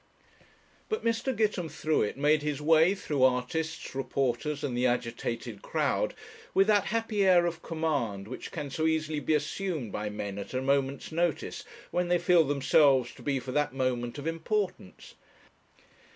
But Mr. Gitemthruet made his way through artists, reporters, and the agitated crowd with that happy air of command which can so easily be assumed by men at a moment's notice, when they feel themselves to be for that moment of importance.